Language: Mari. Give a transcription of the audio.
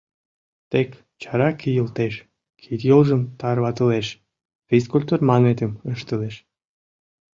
Тек чара кийылтеш, кид-йолжым тарватылеш, физкультур манметым ыштылеш.